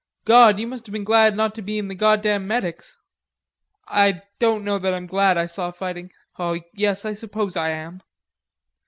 God! you must have been glad not to be in the goddam medics." "I don't know that I'm glad I saw fighting.... Oh, yes, I suppose I am."